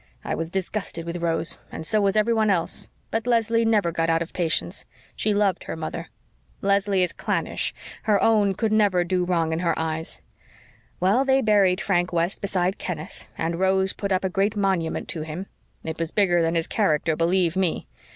I was disgusted with Rose and so was everyone else, but Leslie never got out of patience. She loved her mother. Leslie is clannish her own could never do wrong in her eyes. Well, they buried Frank West beside Kenneth, and Rose put up a great big monument to him. It was bigger than his character, believe ME!